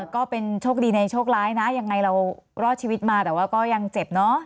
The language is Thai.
ก็เป็นโชคดีในโชคร้ายนะยังไงเรารอดชีวิตมาแต่ว่าก็ยังเจ็บเนอะ